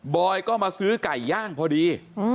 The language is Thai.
อยก็มาซื้อไก่ย่างพอดี